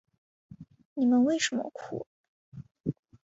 你们为什么哭？